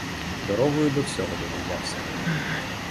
Дорогою до всього додивлявся.